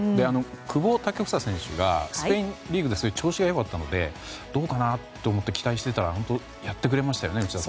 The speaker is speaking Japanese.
久保建英選手がスペインリーグで調子が良かったのでどうかなと思って期待してたら本当にやってくれましたね。